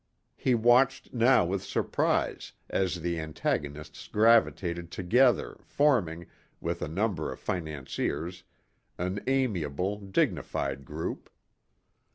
He watched now with surprise as the antagonists gravitated together forming, with a number of financiers, an amiable, dignified group.